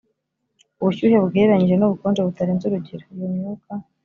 ubushyuhe bugereranyije n'ubukonje butarenze urugero. iyo myuka